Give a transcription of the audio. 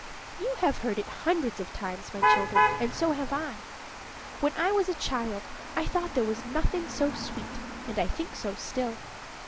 You have heard it hundreds of times, my children, and so have I. When I was a child I thought there was nothing so sweet; and I think so still.